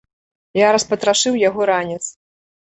Я распатрашыў яго ранец.